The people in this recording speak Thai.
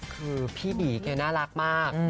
คือพี่บีแกน่ารักมาก